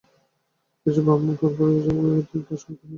তিনি যে ব্রাহ্মণ পরিবারে জন্মগ্রহণ করেছিলেন তা ছিল সমতটের ভদ্র রাজবংশ।